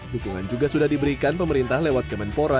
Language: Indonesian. dukungan juga sudah diberikan pemerintah lewat kemenpora